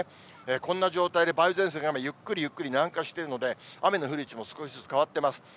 こんな状態で梅雨前線が今、ゆっくりゆっくり南下しているので、雨の降る位置も少しずつ変わってます。